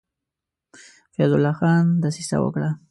فیض الله خان دسیسه وکړه.